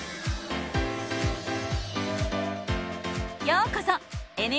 ようこそ！